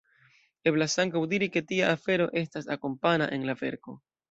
Eblas ankaŭ diri ke tia afero estas “akompana” en la verko.